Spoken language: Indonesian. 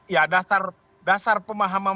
ya dasar pemahaman